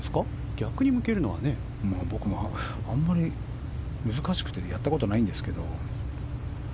逆に向けるのは僕もあんまり難しくてやったことないんですけど。